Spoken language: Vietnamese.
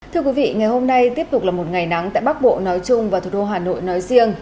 thưa quý vị ngày hôm nay tiếp tục là một ngày nắng tại bắc bộ nói chung và thủ đô hà nội nói riêng